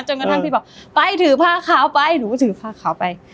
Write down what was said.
กระทั่งพี่บอกไปถือผ้าขาวไปหนูก็ถือผ้าขาวไป